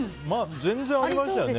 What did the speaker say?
全然ありますよね。